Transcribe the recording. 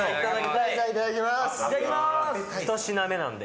いただきます。